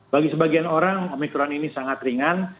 bagi sebagian orang omikron ini sangat ringan